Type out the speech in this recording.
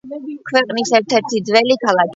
ქვეყნის ერთ-ერთი ძველი ქალაქი.